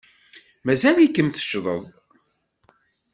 Mazal-ikem teccḍed.